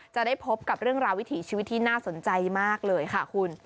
จะได้พบกับเรื่องราววิถีชีวิตที่น่าสนใจมากเลยค่ะคุณ